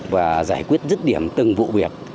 và giải quyết rứt điểm từng vụ việc